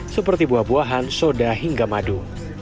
seperti buah buahan soda hingga madu